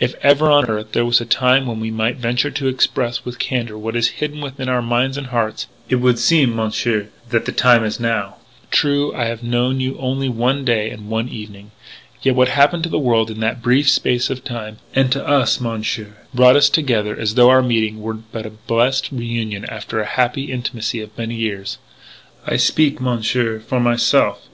"If ever on earth there was a time when we might venture to express with candour what is hidden within our minds and hearts, it would seem, Monsieur, that the time is now. "True, I have known you only for one day and one evening. Yet, what happened to the world in that brief space of time and to us, Monsieur brought us together as though our meeting were but a blessed reunion after the happy intimacy of many years.... I speak, Monsieur, for myself.